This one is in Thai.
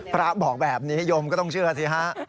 พระบอกแบบนี้โยมก็ต้องเชื่อสิฮะ